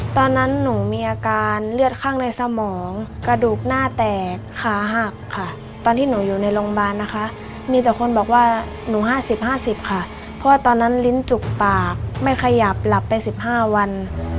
ตอนนั้นหนูมีอาการเลือดข้างในสมองกระดูกหน้าแตกขาหักค่ะตอนที่หนูอยู่ในโรงพยาบาลนะคะมีแต่คนบอกว่าหนู๕๐๕๐ค่ะเพราะว่าตอนนั้นลิ้นจุกปากไม่ขยับหลับไป๑๕วัน